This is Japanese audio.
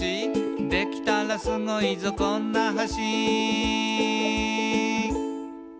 「できたらスゴいぞこんな橋」